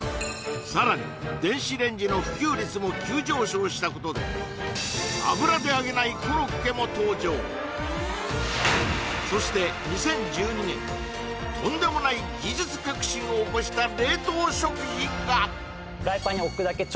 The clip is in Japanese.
さらに電子レンジの普及率も急上昇したことで油で揚げないコロッケも登場そして２０１２年とんでもない技術革新を起こした冷凍食品が！